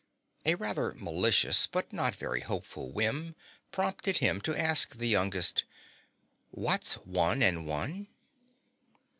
A rather malicious but not very hopeful whim prompted him to ask the youngest, "What's one and one?"